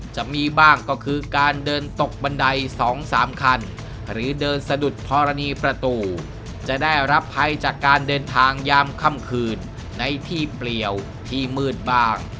จะมีบ้างก็คือการเดินตกบันได๒๓คันหรือเดินสะดุดธรณีประตูจะได้รับภัยจากการเดินทางยามค่ำคืนในที่เปลี่ยวที่มืดบ้าง